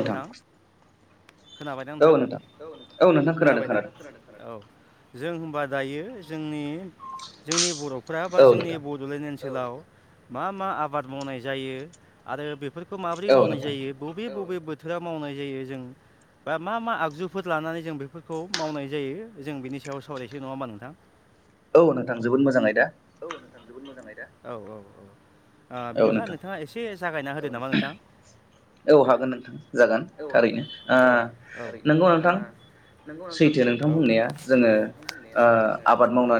नोंथां। खोनाबायना नोंथां औ खोनाबायना औ। जों होनबा दायो जोंनि जोंनि बर'फ्रा बा जोंनि बड'लेण्ड ओनसोलाव मा मा आबाद मावनाय जायो आरो बेफोर। खौ माबोरै मावनाय जायो बबे बबे बोथोरा मावनाय जायो जों। बा मा मा आगजुफोर लानानै जों बेफोरखौ मावनाय जायो जों बिनि सायाव सावरायसो नङा होमा नोंथां। औ नोंथां जोबोद मोजा आयदा। औ नोंथां जोबोद मोजां आयदा औ औ ओ बिदिब्ला नोंथाङा एसे जागायना हो होदो नामा नोंथां, औ हागोन नोंथां जागोन थारैनो नंगौ नोंथां। नंगौ नोंथां औ फैदो नोंथां बुंनाया जोङो ओ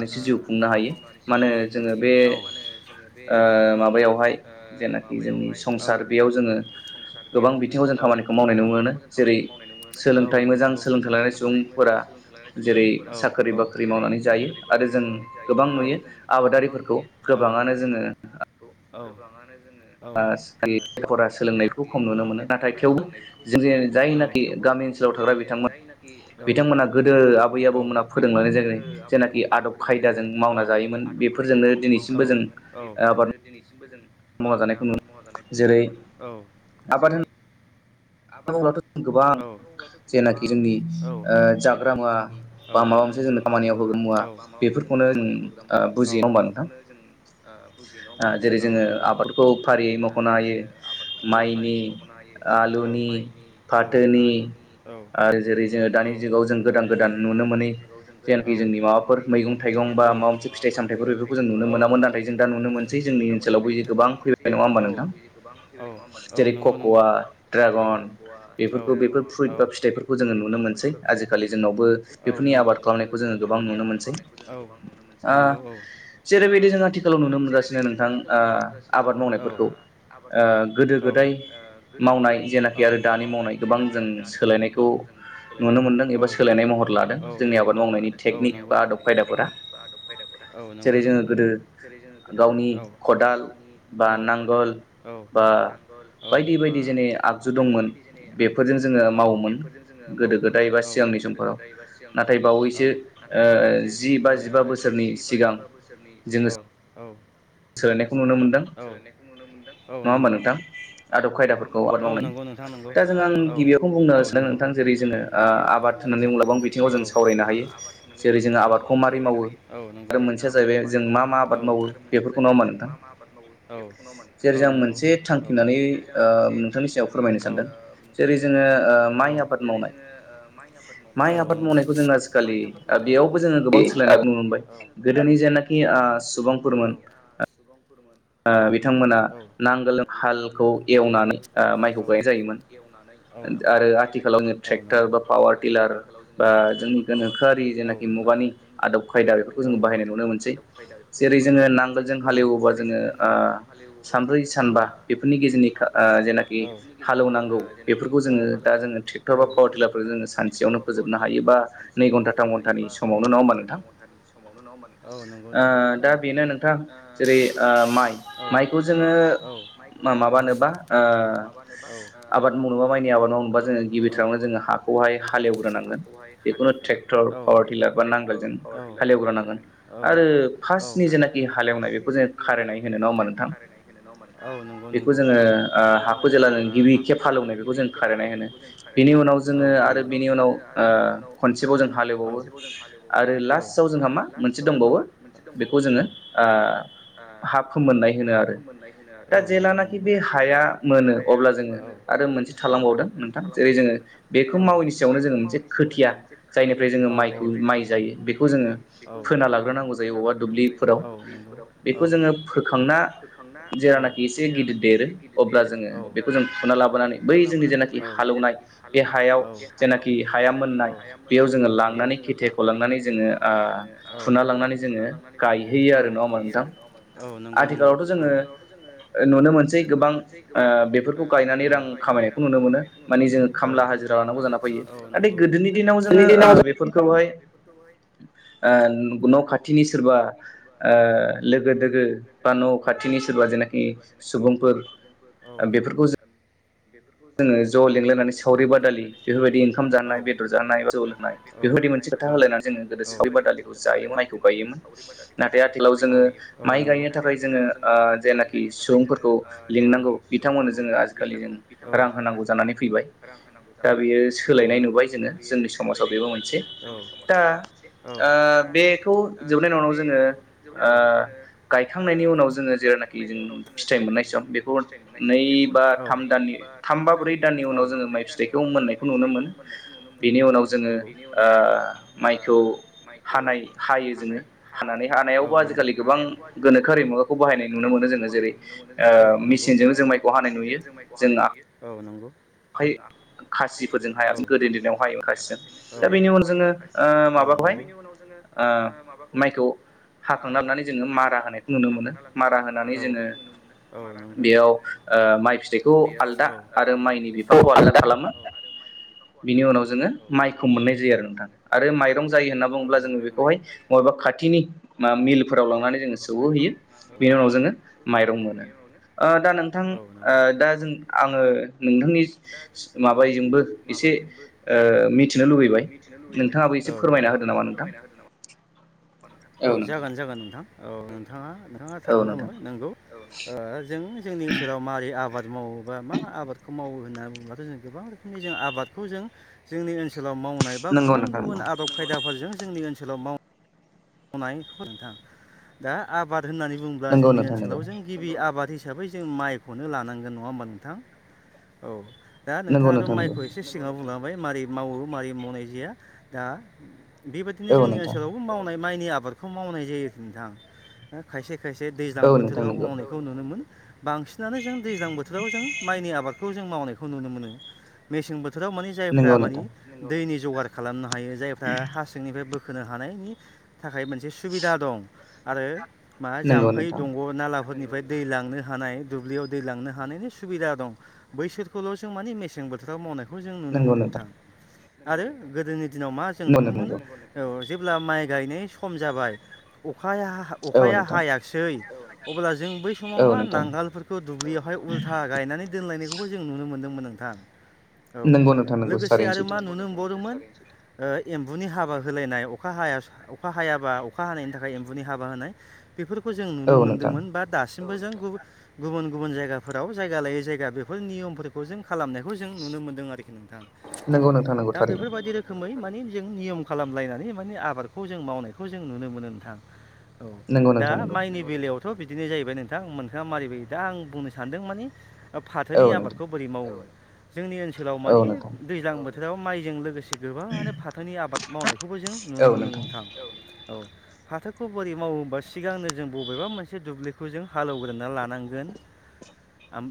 आबाद मावनानै। जिउ खुंनो हायो औ माने जोङो बे ओ माबायावहाय औ। [unintelligible] जोङो। संसार बेयाव जोङो औ गोबां बिथिङाव जों खामानिखौ मावनाय नुनो मोनो जेरै सोलोंथाइ मोजां। सोलोंथाइ लानाय सुबुंफोरा जेरै साख्रि बाख्रि मावनानै जायो। आबादारिफोरखौ गोबाङानो जोङो। औ [unintelligible] सोलोंनायखौ खम नुनो मोनो नाथाय थेवबो जों जायनाखि। गामि ओनसोलाव थाग्रा बिथांमोन बिथांमोना गोदो आबै आबौमोना फोरोंलांनाय जेनाखि आदब खायदाजों मावना जायोमोन। आदब खायदाजों मावना जायोमोन बेफोरजोंनो दिनै। दासिमबो जों आबाद मावा जानायखौ नुनो मोन औ जेरै। आबाद औ' गोबां औ जेनाखि जोंनि औ। [unintelligible] खामानियाव होगोन मुवा बेफोरखौनो जों ओ औ बेफोरखौनो जों ओ बुजियो [unintelligible] होमबा नोंथां औ नंगौ जेरै जोङो माइनि आलुनि। औ आलुनि औ फाथोनि औ आरो जेरै जोङो दानि जुगाव जों जेनाखि जोंनि माबाफोर मैगं थाइगं बा माबा मोनसे। फिथाइ सामथायफोर बेफोरखौ जों नुनो मोनामोन नाथाय जों दा नुनोसै जोंनि ओनसोलावबो गोबां फैबाय नङा होनोमबा नोंथां। औ औ नंगौ नंगौ औ औ। बेफोरखौ बेफोर फ्रुइट बा फिथाइफोरखौ जोङो नुनो मोनसै आजिखालि जोंनावबो बेफोरनि आबाद खालामनायखौ। जोङो गोबां नुनो मोनसै। नंगौ औ। जेरैबायदि जों आथिखालाव नुनो मोनगासिनो नोंथां ओ आबाद मावनायफोरखौ ओ गोदो गोद [unintelligible] मावनाय जेनाख औ मावनाय जेनाखि आरो दानि मावनाय गोबां जों सोलायनायखौ औ नुनो मोनदों सोलनाय। मावनायनि टेकनिक बा आदब खायदाफोरा। औ नंगौ नंगौ नोंथां जेरै जोङो गोदो औ गावनि खदाल औ। औ बा नांगोल औ बा। बायदि बायदि जेनै आगजु दंमोन बेफोरजों जोङो मावोमोन गोदो गोदाय बा सिगांनि सम। बावैसो ओ जि बा जिबा बोसोरनि। जि बाजिबा बोसोरनि सिगां औ जोङो औ नुनो मोनदों। औ नंगौ। आदब खायदाफोरखौ आबाद मावनाय। दा जोङो आं गिबियावखौनो बुंनो सान्दों नोंथां जेरै जोङो आबाद होननानै बुंब्ला बिथिङाव जों सावरायनो हायो जेरै जोङो आबादखौ माबोरै मावो-? औ नंगौ बिदिनो आबादखौ माबै मावो औ आरो जाहैबाय जों मा मा आबाद मावो औ औ नंगौ औ जेरै जों मोनसे थांखिनानै नोंथांनि सायाव फोरमायनो सानदों औ जेरै जोङो माइ आबाद मावनाय औ नंगौ। माइ आबाद मावनायखौ जोङो [unintelligible] बेयाव जोङो गोबां सोलायनायखौ नुबाय। गोदोनि जायनाखि आ खुरुमन ओ बिथांमोना नांगोलजों हालखौ एवनानै औ माइखौ गायनाय जायोमो नांगौ आरो आथिखालाव जोङो ट्रेक्टर बा पावार टिलार बा जों जोन खायदा बेफोरखौ जोङो बाहायनाय नुनो मोनसै जेरै जोङो नांगोलजों हालेवोबा जोङो ओ सानब्रै सानबा बेफोरनि गेजेरनि जेनाखि हालेवनांगौ बेफोरखौ जोङो दा जोङो ट्रेटर बा पावार टिलार जो सानसेयावनो फोजोबनो हायो बा नै घटा थाम घटानि समाव नंगौ नङाहोमबा नोंथां? समावनो नङा औ नंगौ नंगौ औ दा बेनो नोंथां। माइखौ जोङो माबानोबा ओ आबाद मावनोबा माइनि आबाद माव जों गिबिथारावनो जोङ हखौ हाय हालएवग्रोनांगोन जिखुनु ट्रेक्टर पावार टिलार बा नांगोलजों पावार टिलार बा नांगोल जों हालेव्र नांगोन आरो फार जेनाखि हालेवनाय ज खारनाय होनो न औ नंगौ नंगौ औ बेखौ जोङो हाखौ जेब्लाों गिबि खेब हालेवनायखौ जों फेरेनाय होनो बेनि उनाव जोङो आरो बिनि उनाव मोनसेखौ जों हालेवबावो औ आरो लास्टआव जोंहा मा मोनसे दंबावो औ बेखौ जोङो ओ फोमोननाय होनो आरो दा जेलानाखि बे हाया मोनो अब्ला जोङो आरो मोनसे खालामबावदों नोंथां जेरै जोङो बेखौ मावैनि सायावनो जोङो मोनसे खोथिया जायनिफ्राय जोङो माइखौ माइ जायो। माइ जायो बेखौ जोङो फोना लाग्रोनांगौ जायो औवाफोराव औ बेखौ जोङो फोखांना औ जेरानाखि एसे गिदिर देरो अब्ला जोङो बेखौ बै जेनाखि हालौवनाय बे हायाव जेनाखि हाया मोननाय बेयाव जोङो लां नानै खेथेखौ लांनानै जोङो फुना लांनानै जोङो गायहैयो आरो नङा हबा नोंथां? आथिखालावथ' जोङो नुनो मोनसै गोबां ओ बेफोरखौ गायनानै रां खामायनायखौ नुनो मोनो माने जोङो खामला हाजिरा लानांगौ जाना फैयो नाथाय गोदोनि दिनाव जोङो बेफोर ओ न' खाथिनि सोरबा ओ लो लोगो लोगो बा न' खाथिनि सोरबा जेनाखि सुबुंफोर नंगौ [unintelligible] जोङो ज' लिंलायनानै सावरि बादालि बेफोरबायदि ओंखाम जानाय बेदर जानाय जौ लोंनाय बेबायदि मोनसेथा होलायनानै जोङो गोदो सावबा दालिखौ जाय माइखौ गायोमोन नाथाय आथिखालाव जोङो माइ गायनो थाखाय जोङो ओ जेनाखि सुबुंफोरखौ लिंनांगौ बिथांमोननो जोङो आजिखालि रां होनांगौ जानानै फैबाय दा बेयो सोलायनाय नुबाय जोङो जोंनि समाजाव बेबो मोनसे दा ओ बेखौ जोबनायनि उनाव जोङो ओ गायखांनायनि उनाव जोङो जेरनाखि जों फिथाइ मोननाय सम बेखौ नै बा थाम दाननि थाम बा ब्रै दाननि उनाव जोङो माइ फिथाइखौ मोननायखौ नुनो मोनो बेनि उनाव जोङो ओ माइखौ हानाय हायो। जोङो हानानै हानायावबो आजिखालि गोबां गोनोखोआरि मुगाखौ बाहायनाय नुनो मोन जोंङो जेरै ओ मिसिनजों माइखौ हानाय नुयो। जों औ नंगौ। जोंना औ खासिफोरजों हायालासेनोहाय औ बेनि उनाव जोङो माबाखौहाय ओ माइखौ हाखांना लांनानै जों मानाय नुनो मोनोनानै जोङो ओ माइ फिथाइखौ आलदा आरो माइनि बिफांखौ आलदा खालामो। बिनि उनाव जोङो माइखौ मोननाय जायो आरो नोंथां। आरो माइरं जायो होनना बुङोब्ला जोङो बेखौहाय बबेबा खाथिनि मिलफोराव लांनानै जोङो सौहोहैयो। मागोफोरावबा माने फोराव लांनानै जों स'हैयो बेनि उनावनो माइरं नोंथां आङो नोंथांनि माबाजोंबो एसे ओ मिथिनो लुबैबाय नोंथाङा बे एसे फोरमायना होदो नामा नोंथां। औ जागोन - जागोन नोंथां औ नोंथाङा नोंथाङा थारखौनो बुंलांबाय नंगौ ओ जों जोंनि ओनसोलाव मारै आबाद मावोबा मा आबादखौ मावो होननानै बुंबाथ' जों गोबां रोखोमनि जों आबदखौ जों जोंनि ओनसो लाव मावनाय बा गुबुन - गुबुन आदब खायदाफोरजों जोंनि ओनसोलाव माव मावनाय नोंथां दा आबाद होननानै बुङोब्ला जोंनि ओनसोलाव जों गिबि आबाद हिस हिसाबै जों माइखौनो लानांगोन नङा होमबा नोंथां? औ। दा नोंथाङाथ' माइखौ एसे सिगाङाव बुंला मै मारै मावो मारै मावनाय जाया दा बेबादिनो जोंनि ओनसोलावबो माव माइनि आबादखौ मावनाय जायो नोंथां खायसे खायसे दैज्लां बोथोराव मावनायखौ नुनो मोन बांसिनानो जों दैज्लां बोथोराव जों माइनि आबाद खौ जों मावनायखौ नुनो मोनो मेसें बोथोराव मानि जायफ्रा मानि दैनि जगार खालामनो हायो जायफ्रा हासिंनिफ्राय बोखोनो हानायनि थाखाय मोनसे सुबिदा दं आरो मा जामफै दंग' नाला फोरनिफ्राय दै लांनो हानाय दुब्लियाव दै लांनो हानायनि सुबिदा दं बैसोरखौल' जों माने मेसें बोथोराव मावनाय बेखौ जों नुनो मोनो नोंथां आरो गोदोनि दिनाव मा जों नुनो मोनो औ जेब्ला माइ गायनाय सम जाबाय। अखाया हा अखाया हायाखिसै अब्ला जों बै समाव मा नांगोलफोरखौ दुब्लियावहाय उल उलथा गायनानै दोनलायनायखौबो जों नुनो मोन्दोंमोन नोंथां। औ लोगोसे आरो मा नुनो मोनबावदोंमोन? ओ एम्बुनि हाबा होलायनाय अखा हाया अखा हायाबा अखा हानायनि थाखाय एम्बुनि हाबा होनाय बेफोरखौ जों नुनो मोन्दोंमोन बा दासि बो जों गुबु गुबुन - गुबुन जायगाफोराव जायगा लायै जायगा बेफोर नियमफोरखौ जों खालामनायखौ जों नुनो मोनदों आरोखि नोंथां दा बेफोरबायदि रोखै मा मे जों नियम खालामलायनानै माने आबादखौ जों मावनायखौ जों नुनो मोनो नोंथां। औ दा माइनि बेलायाव थ' बिदिनो जाहैबाय नोंथां मोनखा मारै बा दा आं बुंनो सानदों माने फाथोनि आबादखौ बोरै मावो? जोंनि ओनसोलाव माने दैज्लां बोथोराव माइजों लोगोसे गोबाङानो फाथोनि आबाद मावनायखौबो जों नुनो मोनो नों औ - औ फाथोखौ बोरै मावो होमबा सिगांनो जों बबेबा मोनसे दुब्लिखौ जों हाल एवग्रोना लानांगोन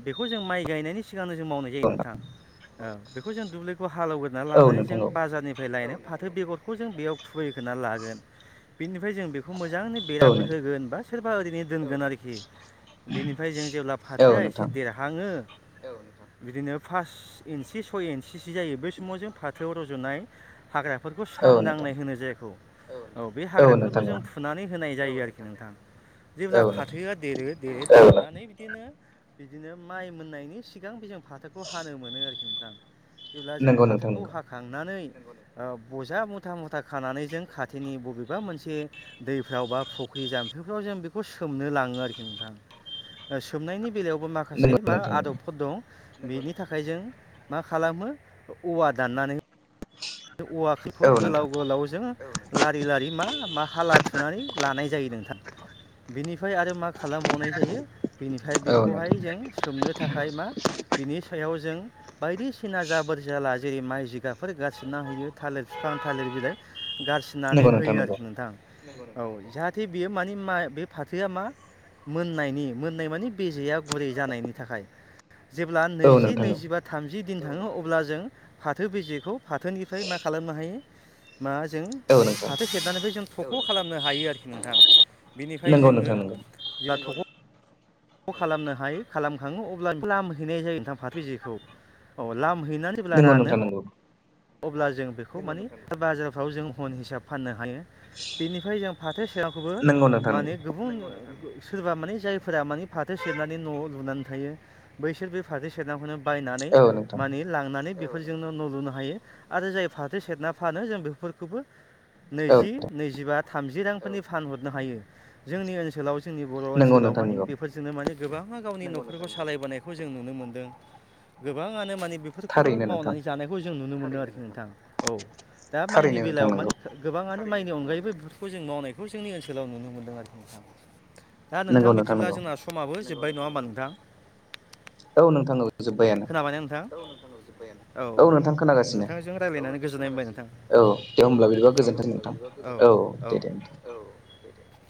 बेखौ जों माइ गायनायनि सि सिगांनो जों मावनाय जायो नोंथां औ बेखौ जों दुब्लिखौ हाल एवग्रोना लानानै जों बाजारनिफ्राय लायनो फाथो बेगरखौ जों बेयाव खुबैखोना लागोन बेनिफ्राय जों बेखौ बेखौ मोजाङै बेराफोर होगोन बा सोरबा ओरैनो दोनगोन आरोखि। बेनिफ्राय जों जेब्ला फाथोआ एसे देरहाङो औ बिदिनो पास इन्सि सय इन्सिसो जायो बै समाव जों फाथोआव रज'नाय हाग्राफोरखौ साम दांनाय होनो जायखौै औ बे हाग्राफोरखौ जों फुनानै होनाय जायो आरोखि। नोंथां जेब्ला फाथोआ देरो - देरो माने बिदिनो - बिदिनो माइ मोननायनि सिगां बे जों फाथोखौ हानो मोनो आरोखि नोंथां। जेब्ला जों फाथोखौ हाखांनानै बजा मुथा-मुथा खानानै जों खाथिनि बबेबा मोनसे दैफ्राव बा फुख्रि जाम्फैफ्राव जों बेखौ सोमनो लाङो आरोखि। नोंथां सोमनायनि बेलायावबो माखासे मा आदबफोर दं बेनि थाखाय जों मा खालामो औवा दाननानै औवाफोरखौ गोलाव गोलावजों लारि - लारि मा - मा हाला थुनानै लानाय जायो नोंथां। बिनिफ्राय आरो मा खालामबावनाय जायो बेनिफ्राय बेखौहाय जों सोमनो थाखाय मा बिनि सायाव जों बायदिसिना जाबोर जाला जेरै माइ जिगाफोर गासैबो बिबना हैयो थालिर बिफां थालिर बिलाइ गारसिननानै होयो आरोखि नोंथां। औ जाहाथे बेयो माने म बे फाथोआ मा मोननायनि मोननाय मानिे बेेया गुरै जानायनि थाखाय जेब्ला नैजि नैजिबा थामजि दिन थाङो अब्ला जों फाथो बेेखौ फाथोनिफ्राय मा खालामनो हायो मा जों फाथो खेेरनायनिफ्राय जों थख खालामनो हायो आरोखि नोंथाङा बिनिफ्राय जोङो खालामनो हायो खालाम खाङो अब्ला लाम हैनाय जायो नोंथां फाथैजिखौ औ लाम हैनानै जेब्ला रानो अ जों बेखौ मान बाजारफ्राव जों हन हिसाब फाननो हायो बेनिफ्राय जों हे सांखौबो माने गुबुन सोरबा माने जायफोरा माने फाथो सेरनानै नआव लुनानै थायो बैसोर बे फाथो सेरनाखौनो बायनानै मानि लांनानै बेफोरजोंनो न लुनो हायो आरो जाय फाथो सेरना फानो जों बेफोरखौबो नैजि नैजिबा थामजि रांफोरनि फान हरनो हायो जोंनि ओनसोलाव जोंनि बर ओनसोलाव माने बे गोबाङ गावनि नखौ सालायबायनायखौ जों नुनो मोन गोबाङ म बेफोरखौबो मावनानै जानायखौ जों नुनो मोनो आरोखि नोंथां औ दा माइनि बेलायाव मानिे गोबाङानो माइनि नि अनगायैबो बेफोरखौ जों मावनायखौ जोंनि ओनसोलाव नुनो मोनदों आरोखि नोंथाङा दा नोंथां बिदिब्ला जोंना माबो जोब्बाय नङा हामा नोंथां औ नोंथां औ जोबबायानो। औ औ नोंथांजों रायज्लायनानै गोजोननाय मोनबाय नोंथां। औ जब ह जब औ औ औ द दे